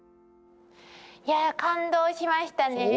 いや感動しましたね。